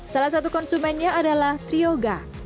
salah satu konsumennya adalah trioga